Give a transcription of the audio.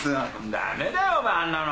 だめだよお前あんなの。